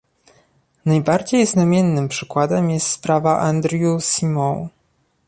Najbardziej znamiennym przykładem jest sprawa Andrew Symeou